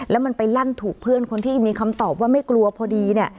แล้วมันไปลั่นถูกเพื่อนคนที่มีคำตอบว่าไม่กลัวพอดีเนี่ย